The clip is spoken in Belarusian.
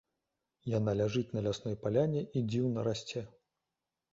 Яна ляжыць на лясной паляне і дзіўна расце.